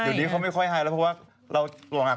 เดี๋ยวดีเขาไม่ค่อยให้แล้วเพราะว่า